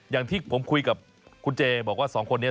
อย่างที่ผมคุยกับคุณเจบอกว่าสองคนนี้